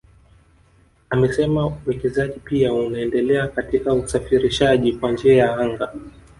Amesema uwekezaji pia unaendelea katika usafirishaji kwa njia ya anga